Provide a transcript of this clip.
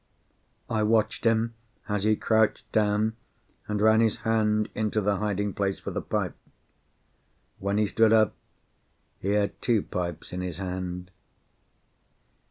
I watched him as he crouched down, and ran his hand into the hiding place for the pipe. When he stood up, he had two pipes in his hand.